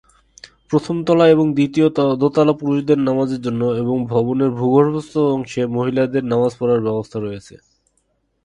প্রথম তলা এবং দোতলায় পুরুষদের নামাজের জন্য এবং ভবনের ভূগর্ভস্থ অংশে মহিলাদের নামাজ পড়ার ব্যবস্থা রয়েছে।